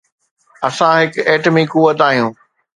اسان هڪ ايٽمي قوت آهيون.